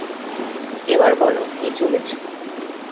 এবার বলো, কি চলেছে?